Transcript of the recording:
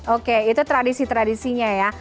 oke itu tradisi tradisinya ya